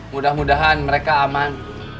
mudah mudahan mereka aman